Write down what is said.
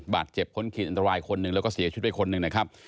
บาดเจ็บพ้นขีดอันตรายคนหนึ่งแล้วก็เสียชีวิตไปคนหนึ่งนะครับ